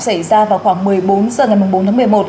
xảy ra vào khoảng một mươi bốn h ngày bốn tháng một mươi một